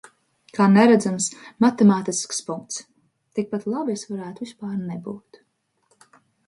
Kā neredzams matemātisks punkts. Tik pat labi es varētu vispār nebūt.